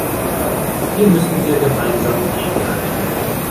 Hier müssen wir gemeinsam gegenhalten.